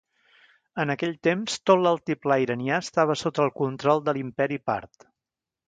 En aquell temps, tot l'altiplà iranià estava sota control de l'imperi Part.